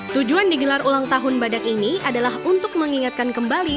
tujuan digelar ulang tahun badak ini adalah untuk mengingatkan kembali